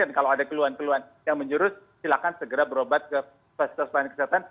dan kalau ada keluhan keluhan yang menjurus silakan segera berobat ke fester span kesehatan